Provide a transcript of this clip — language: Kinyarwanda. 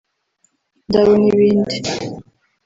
indabo n’ibindi